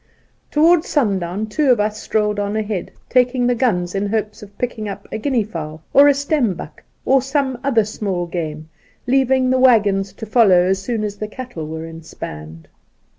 Towards sundown two of us strolled on ahead, taking the guns in hopes of picking up a guinea fowl, or a stembuck, or some other small game, leaving the waggons to follow as soon as the cattle were inspanned.